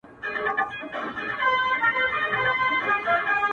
د وجود غړي د هېواد په هديره كي پراته-